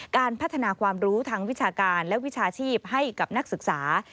การพัฒนาความรู้ทางวิชาการและวิชาชีพให้กับนักศึกษา